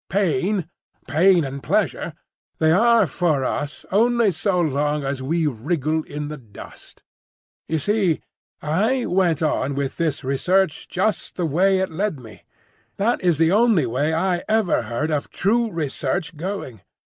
Pain, pain and pleasure, they are for us only so long as we wriggle in the dust. "You see, I went on with this research just the way it led me. That is the only way I ever heard of true research going.